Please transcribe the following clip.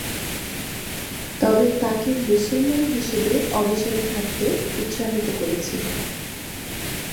তবে তাকে মুসলমান হিসেবে অবিচল থাকতে উত্সাহিত করেছিলেন।